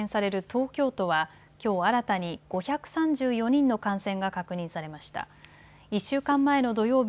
東京ではきょう新たに５３４人の感染が確認されました。